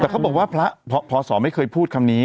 แต่เขาบอกว่าพระพศไม่เคยพูดคำนี้